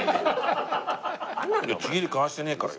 契り交わしてねえから。